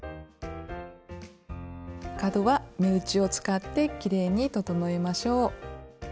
角は目打ちを使ってきれいに整えましょう。